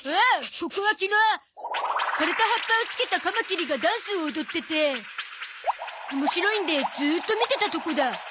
ここは昨日枯れた葉っぱをつけたカマキリがダンスを踊ってておもしろいんでずっと見てたとこだ。